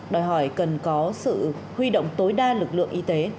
đòi hỏi cần có sự huy động tối đa lực lượng y tế